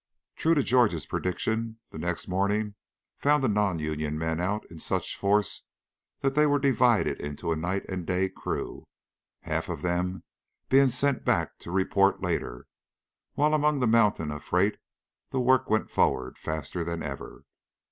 True to George's prediction, the next morning found the non union men out in such force that they were divided into a night and a day crew, half of them being sent back to report later, while among the mountains of freight the work went forward faster than ever.